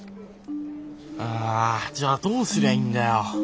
ああじゃあどうすりゃいいんだよ。